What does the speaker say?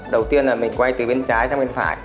đầu tiên là mình quay từ bên trái sang bên phải